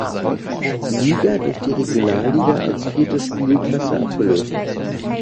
Liga durch die Regionalliga als vierte Spielklasse abgelöst.